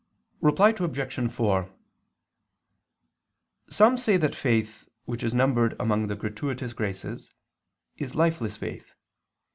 Reply Obj. 4: Some say that faith which is numbered among the gratuitous graces is lifeless faith.